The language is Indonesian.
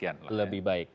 jauh lebih baik